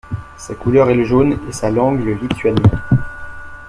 Sa couleur est le jaune et sa langue le lituanien.